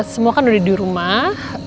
semua kan udah di rumah